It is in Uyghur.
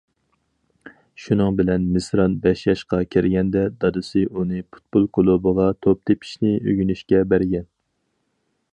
شۇنىڭ بىلەن مىسران بەش ياشقا كىرگەندە، دادىسى ئۇنى پۇتبول كۇلۇبىغا توپ تېپىشنى ئۆگىنىشكە بەرگەن.